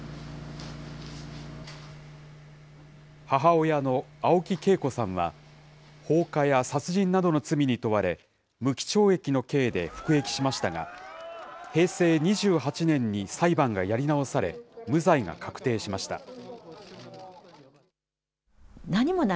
母親の青木惠子さんは、放火や殺人などの罪に問われ、無期懲役の刑で服役しましたが、平成２８年に裁判がやり直され、無罪が確定しました。